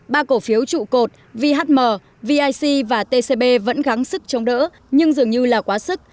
ba cổ phiếu trụ cột vhm vic và tcb vẫn gắn sức chống đỡ nhưng dường như là quá sức